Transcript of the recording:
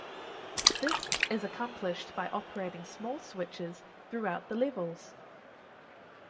This is accomplished by operating small switches throughout the levels.